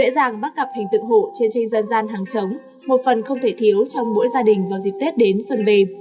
dễ dàng bắt gặp hình tượng hộ trên tranh dân gian hàng trống một phần không thể thiếu trong mỗi gia đình vào dịp tết đến xuân về